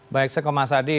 baik seko mas hadi